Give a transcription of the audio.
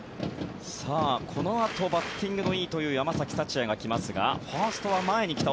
このあとバッティングのいいという山崎福也が来ますがファーストは前に来た。